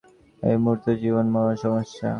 এই মুহূর্তে জীবন মরণ সমস্যা।